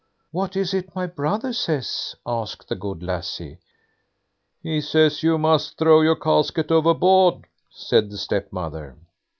"What is it my brother says?" asked the good lassie. "He says you must throw your casket overboard", said the stepmother.